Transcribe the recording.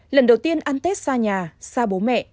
lần đầu tiên ăn tết xa nhà xa bố mẹ